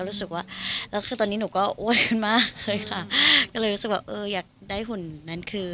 รู้สึกว่าแล้วคือตอนนี้ก็ห่วงมากเลยค่ะก็เลยว่าอยากได้หุ่นนั้นคืน